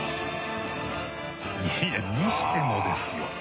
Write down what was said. いやにしてもですよ。